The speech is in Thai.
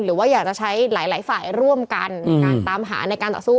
หรือว่าอยากจะใช้หลายฝ่ายร่วมกันในการตามหาในการต่อสู้